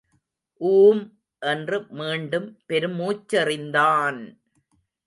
ஊம் என்று மீண்டும் பெருமூச்செறிந்தான்!